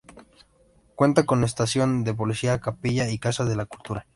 Cuenta con estación de Policía, capilla y casa de la cultura.